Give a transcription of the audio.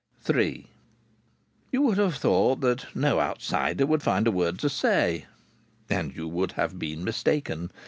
III You would have thought that no outsider would find a word to say, and you would have been mistaken.